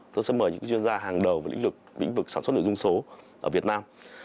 tôi sẽ mời những chuyên gia hàng đầu và lĩnh vực sản xuất nội dung số ở việt nam